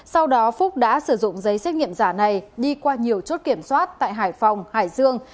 sau đó phúc đã sử dụng giấy xét nghiệm giả này đi qua nhiều chốt kiểm soát tại hải phòng hải dương